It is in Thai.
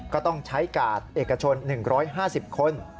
ก็ต้องใช้กาดเอกชน๑๕๐คน